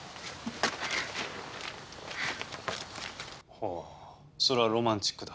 ほうそれはロマンチックだ。